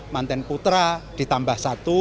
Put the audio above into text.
mantan putra ditambah satu